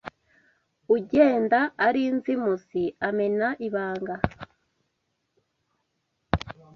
Ugenda ari inzimuzi, amena ibanga